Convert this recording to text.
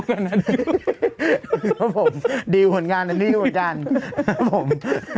ครับผมดีผลงานนั้นดีผลงานครับผม